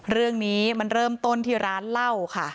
เรื่องนี้มันเริ่มต้นที่ร้านเหล้าค่ะ